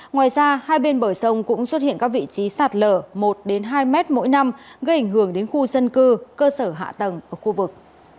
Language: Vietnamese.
ngoài ra hai bên bờ sông cũng xuất hiện các vị trí sạt lở một hai mét mỗi năm gây ảnh hưởng đến khu dân cư cơ sở hạ tầng ở khu vực